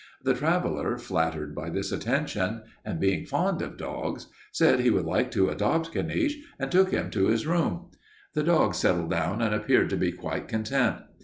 The traveler, flattered by this attention, and being fond of dogs, said he would like to adopt Caniche, and took him to his room. The dog settled down and appeared to be quite content.